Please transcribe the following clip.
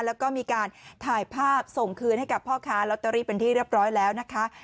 แล้วก็มีการถ่ายภาพส่งคืนให้กับพ่อค้าลอตเตอรี่เป็นที่เรียบร้อยแล้วนะคะ